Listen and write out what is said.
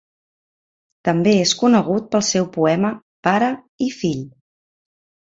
També és conegut pel seu poema "Pare i fill".